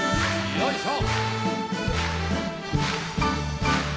よいしょ！